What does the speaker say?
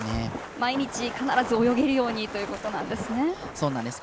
毎日必ず泳げるようにということですね。